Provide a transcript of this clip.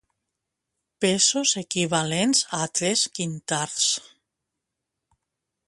Pesos equivalents a tres quintars.